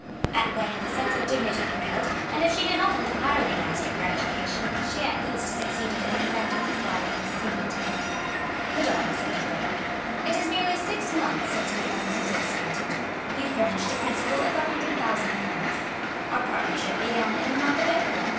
At length a sense of dignity prevailed, and if she did not entirely master her agitation, she at least succeeded in preventing the fall of a single tear. "Madame," said Debray, "it is nearly six months since we have been associated. You furnished a principal of 100,000 francs. Our partnership began in the month of April.